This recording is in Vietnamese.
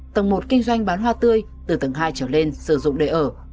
tầng một kinh doanh bán hoa tươi từ tầng hai trở lên sử dụng để ở